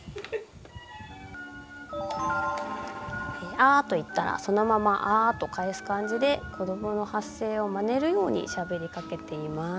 「アー」と言ったらそのまま「アー」と返す感じで子どもの発声をまねるようにしゃべりかけています。